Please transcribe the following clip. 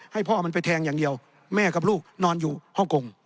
ให้พ่อเอามันไปแทงอย่างเดียวแม่กับลูกนอนอยู่ฮ่องกง